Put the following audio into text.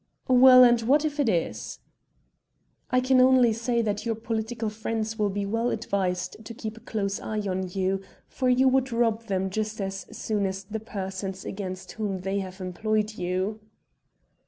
"Well, and what if it is?" "I can only say that your political friends will be well advised to keep a close eye on you, for you would rob them just as soon as the persons against whom they have employed you."